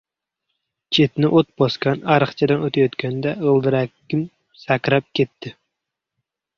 Chetini o‘t bosgan ariqchadan o‘tayotganda g‘ildiragim sakrab ketdi.